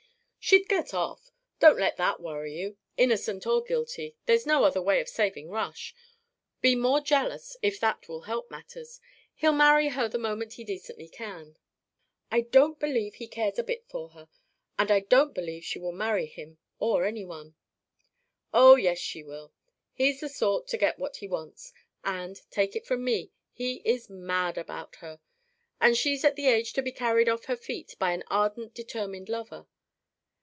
"She'd get off. Don't let that worry you. Innocent or guilty. There's no other way of saving Rush. Be more jealous, if that will help matters. He'll marry her the moment he decently can." "I don't believe he cares a bit for her. And I don't believe she will marry him or any one." "Oh, yes, she will. He's the sort to get what he wants and, take it from me, he is mad about her. And she's at the age to be carried off her feet by an ardent determined lover.